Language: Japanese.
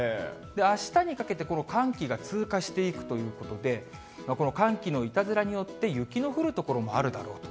あしたにかけて、この寒気が通過していくということで、この寒気のいたずらによって、雪の降る所もあるだろうと。